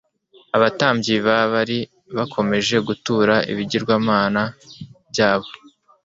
abatambyi ba Bali bakomeje gutura ibigirwamana byabo